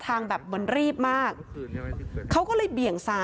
ท่าทางแบบมันรีบมากเขาก็เลยแบ่งละ